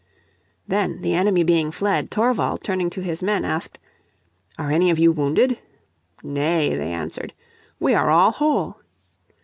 Then, the enemy being fled, Thorvald, turning to his men, asked, "Are any of you wounded?" "Nay," they answered, "we are all whole."